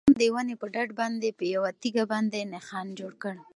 ماشوم د ونې په ډډ باندې په یوه تیږه باندې نښان جوړ کړ.